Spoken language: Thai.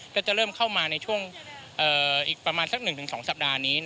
ก็จะเริ่มเข้ามาในช่วงอีกประมาณสัก๑๒สัปดาห์นี้